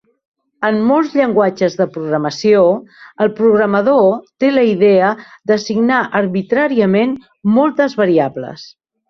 En molts llenguatges de programació, el programador té la idea d'assignar arbitràriament moltes variables.